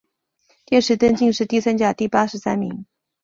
殿试登进士第三甲第八十三名。